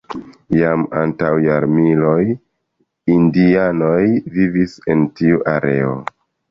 Jam antaŭ jarmiloj indianoj vivis en tiu areo.